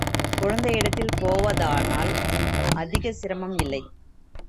குழந்தையிடத்தில் போவதானால் அதிகச் சிரமம் இல்லை.